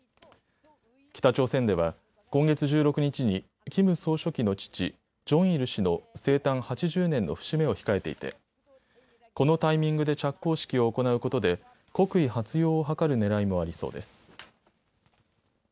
北朝鮮では今月１６日にキム総書記の父、ジョンイル氏の生誕８０年の節目を控えていてこのタイミングで着工式を行うことで国威発揚を図るねらいもありそうです。